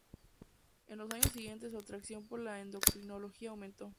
En los años siguientes, su atracción por la endocrinología aumentó.